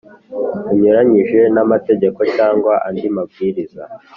Bunyuranyije n amategeko cyangwa andi mabwiriza